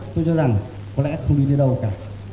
tôi cho rằng có lẽ không đi đến đâu cả